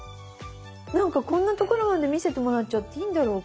なんかこんなところまで見せてもらっちゃっていいんだろうか。